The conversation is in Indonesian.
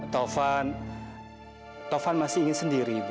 tovan tovan masih ingin sendiri ibu